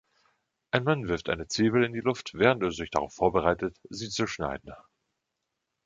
Ein Mann wirft eine Zwiebel in die Luft, während er sich darauf vorbereitet, sie zu schneiden.